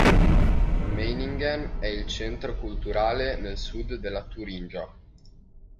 Meiningen è il centro culturale nel sud della Turingia.